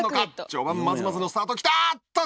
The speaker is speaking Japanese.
序盤まずまずのスタートをきったあっと！